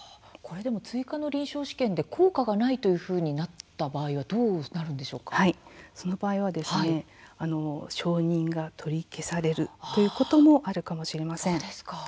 追加の臨床試験で効果がないというふうになったその場合は承認が取り消されるということもあるかもしれません。